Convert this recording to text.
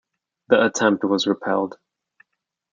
The attempt was repelled.